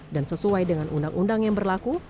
dan sesuai dengan undang undang yang berlaku